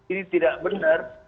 ini tidak benar